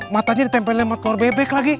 matanya ditempel sama tuar bebek lagi